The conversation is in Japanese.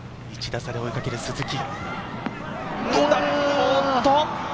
１打差で追いかける鈴木。